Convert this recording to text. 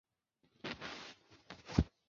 明朝设置的卫所。